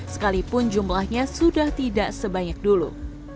sekalipun jumlahnya sudah tidak sebanyak dulu